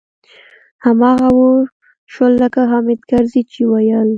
هماغه و شول لکه حامد کرزي چې ويل.